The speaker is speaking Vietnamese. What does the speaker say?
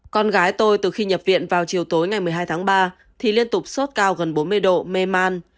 con gái tôi từ khi nhập viện vào chiều tối ngày một mươi hai tháng ba thì liên tục sốt cao gần bốn mươi độ mê man